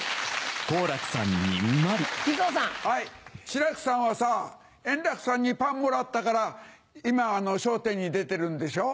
志らくさんはさ円楽さんにパンもらったから今『笑点』に出てるんでしょ？